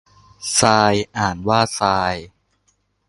ทราย อ่านว่าซาย